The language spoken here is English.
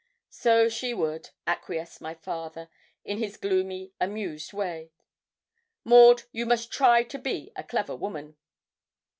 'So she would,' acquiesced my father, in his gloomy, amused way. 'Maud, you must try to be a clever woman.'